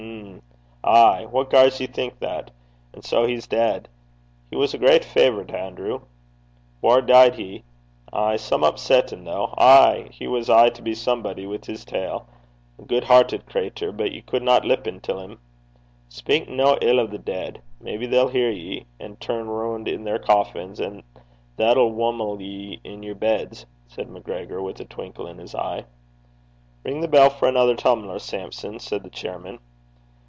'Mhm!' 'Aaay!' 'What gars ye think that?' 'And sae he's deid!' 'He was a great favourite, Anerew!' 'Whaur dee'd he?' 'Aye some upsettin' though!' 'Ay. He was aye to be somebody wi' his tale.' 'A gude hertit crater, but ye cudna lippen till him.' 'Speyk nae ill o' the deid. Maybe they'll hear ye, and turn roon' i' their coffins, and that'll whumle you i' your beds,' said MacGregor, with a twinkle in his eye. 'Ring the bell for anither tum'ler, Sampson,' said the chairman.